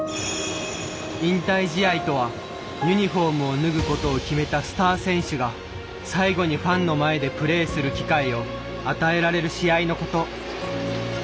引退試合とはユニフォームを脱ぐことを決めたスター選手が最後にファンの前でプレーする機会を与えられる試合のこと。